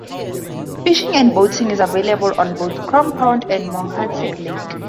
Fishing and boating is available on both Crom Pond and Mohansic Lake.